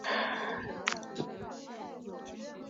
直茎鼠曲草为菊科鼠曲草属下的一个种。